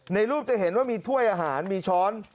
ในรูปจะเห็นว่ามีถ้วยอาหารมีช้อน